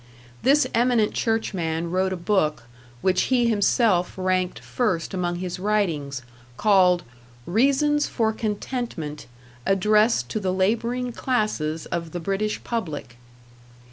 This eminent churchman wrote a book, which he himself ranked first among his writings, called "Reasons for Contentment, addressed to the Labouring Classes of the British Public."